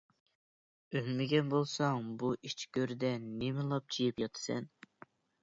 ئۆلمىگەن بولساڭ، بۇ ئىچ گۆردە نېمە لاپچىيىپ ياتىسەن؟